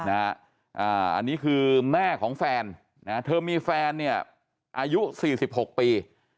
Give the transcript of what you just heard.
อันนี้คือแม่ของแฟนเธอมีแฟนเนี่ยอายุ๔๖ปี